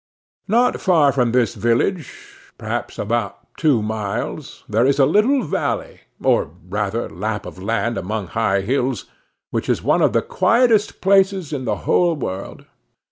Not far from this village, perhaps about two miles, there is a little valley or rather lap of land among high hills, which is one of the quietest places in the whole world.